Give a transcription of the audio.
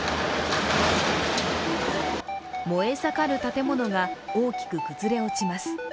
燃え盛る建物が大きく崩れ落ちます。